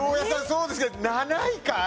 そうですけど７位かい？